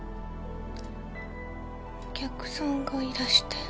お客さんがいらして。